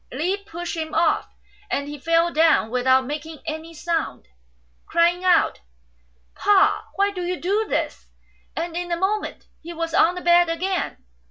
Li pushed him off, and he fell down without making any sound, crying out, "Pa! why do you do this ?'' and in a moment he was on the bed again.